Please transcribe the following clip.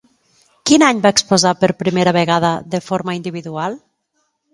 Quin any va exposar per primera vegada de forma individual?